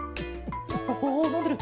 おおのんでる。